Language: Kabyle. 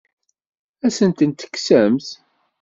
Ad asen-tent-tekksemt?